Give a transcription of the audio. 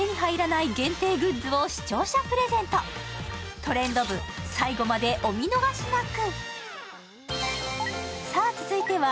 「トレンド部」最後までお見逃しなく。